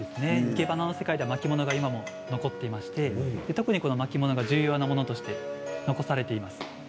いけばなの世界で巻物が今でも残っていましてこの巻物は重要なものとして残されています。